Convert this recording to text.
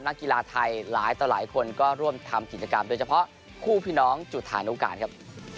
นักกีฬาไทยหลายต่อหลายคนก็ร่วมทำกิจกรรมโดยเฉพาะคู่พี่น้องจุธานุการณ์ครับ